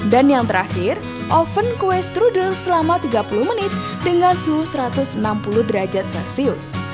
dan yang terakhir oven kue strudel selama tiga puluh menit dengan suhu satu ratus enam puluh derajat celcius